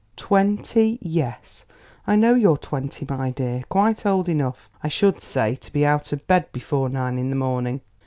"Twenty; yes, I know you're twenty, my dear; quite old enough, I should say, to be out of bed before nine in the morning."